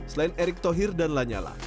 selain erick thohir dan lanyala